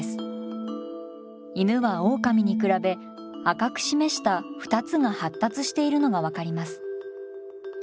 犬はオオカミに比べ赤く示した２つが発達しているのが分かります。